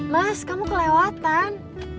mas kamu kelewatan